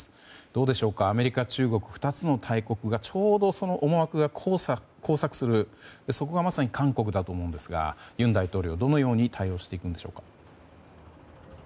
どうでしょうアメリカ、中国２つの大国がちょうど思惑が交錯するそこがまさに韓国だと思うんですが尹大統領、どのように対応していくんでしょうか。